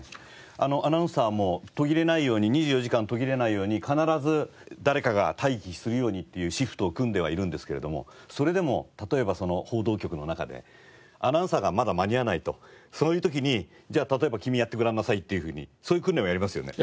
アナウンサーも途切れないように２４時間途切れないように必ず誰かが待機するようにっていうシフトを組んではいるんですけれどもそれでも例えば報道局の中でアナウンサーがまだ間に合わないとそういう時にじゃあ例えば君やってごらんなさいっていうふうにそういう訓練はやりますよね？